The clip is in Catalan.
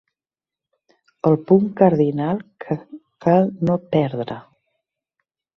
El punt cardinal que cal no perdre.